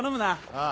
ああ。